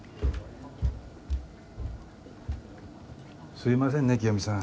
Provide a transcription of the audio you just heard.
すいませんね清美さん。